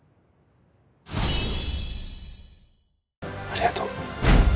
ありがとう。